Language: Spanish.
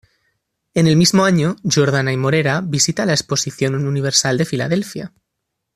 En el mismo año, Jordana y Morera visita la exposición universal de Filadelfia.